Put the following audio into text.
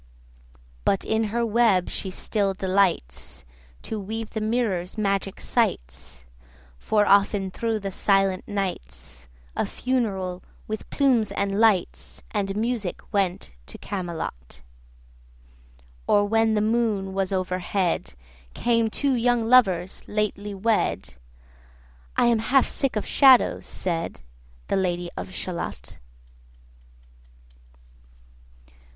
But in her web she still delights To weave the mirror's magic sights, 65 For often thro' the silent nights A funeral, with plumes and lights, And music, went to Camelot: Or when the moon was overhead, Came two young lovers lately wed; 70 'I am half sick of shadows,' said The Lady of Shalott.